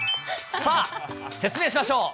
さあ、説明しましょう。